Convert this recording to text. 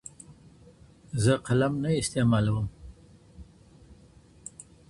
زه قلم نه استعمالوموم!.